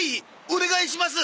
お願いします！